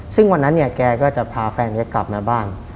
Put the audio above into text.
ซึ่งวันนั้นเนี่ยแกก็จะพาแฟนนี้กลับมาบ้าน